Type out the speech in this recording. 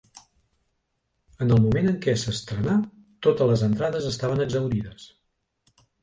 En el moment en què s'estrenà, totes les entrades estaven exhaurides.